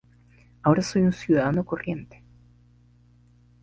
Ahora soy un ciudadano corriente".